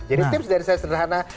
jadi tips dari saya sederhana